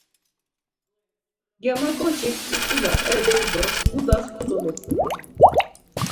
Germaǩoçik tzitzila ezdu do gudas kodoloxunu.